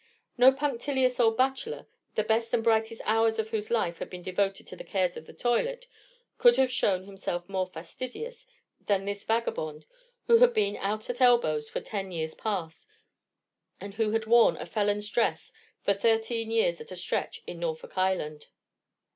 No punctilious old bachelor, the best and brightest hours of whose life had been devoted to the cares of the toilet, could have shown himself more fastidious than this vagabond, who had been out at elbows for ten years past, and who had worn a felon's dress for thirteen years at a stretch in Norfolk Island.